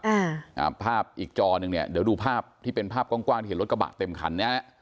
เดี๋ยวดูภาพอีกจอนึงเดี๋ยวดูภาพที่เป็นภาพกว้างที่รถกระบาดเต็มคัน